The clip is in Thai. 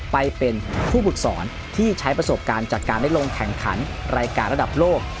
ไปเป็นผู้ฝึกสอนที่ใช้ประสบการณ์จากการได้ลงแข่งขันรายการระดับโลก